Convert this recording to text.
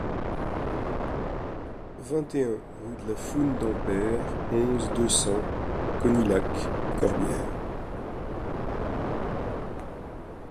vingt et un rue de la Foun d'en Peyre, onze, deux cents, Conilhac-Corbières